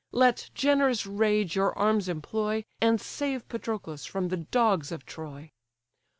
let generous rage your arms employ, And save Patroclus from the dogs of Troy."